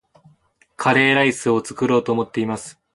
カレーライスを作ろうと思っています